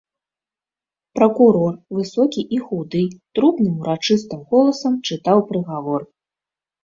Пракурор, высокі і худы, трубным урачыстым голасам чытаў прыгавор.